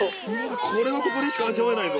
これはここでしか味わえないぞ。